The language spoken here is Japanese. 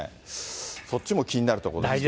そっちも気になるところですけどね。